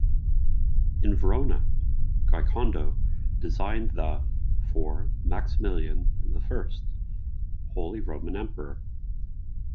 In Verona, Giocondo designed the for Maximilian the First, Holy Roman Emperor.